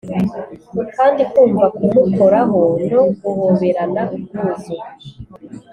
kandi kumva kumukoraho no guhoberana ubwuzu.